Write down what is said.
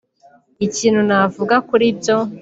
Ikintu navuga kuri ibyo